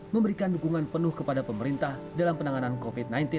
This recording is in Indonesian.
memberikan dukungan penuh kepada pemerintah dalam penanganan covid sembilan belas